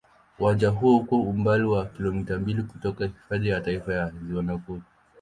Uwanja huo uko umbali wa kilomita mbili kutoka Hifadhi ya Taifa ya Ziwa Nakuru.